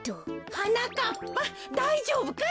はなかっぱだいじょうぶかい？